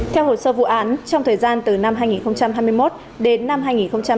theo hồ sơ vụ án trong thời gian từ năm hai nghìn hai mươi một đến năm hai nghìn hai mươi ba